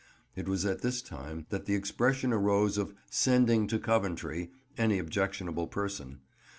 It was at this time that the expression arose of "sending to Coventry" any objectionable person.